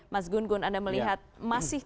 mas gun gun anda melihat masih